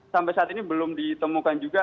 sampai saat ini belum ditemukan juga